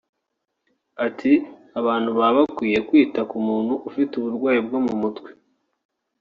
Ati “Abantu baba bakwiye kwita ku muntu ufite uburwayi bwo mu mutwe